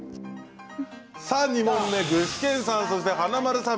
２問目、具志堅さんそして華丸さん